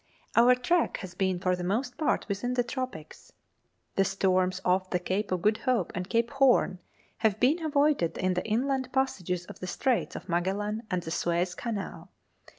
Our track has been for the most part within the Tropics. The storms off the Cape of Good Hope and Cape Horn have been avoided in the inland passages of the Straits of Magellan and the Suez Canal.